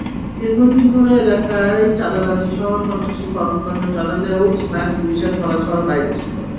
দীর্ঘদিন ধরে এলাকায় চাঁদাবাজিসহ সন্ত্রাসী কর্মকাণ্ড চালালেও ইসমাইল পুলিশের ধরাছোঁয়ার বাইরে ছিল।